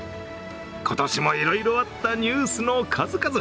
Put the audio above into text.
今年もいろいろあったニュースの数々。